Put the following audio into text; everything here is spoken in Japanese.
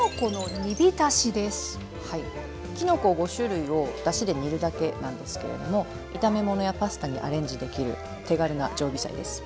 きのこ５種類をだしで煮るだけなんですけれども炒め物やパスタにアレンジできる手軽な常備菜です。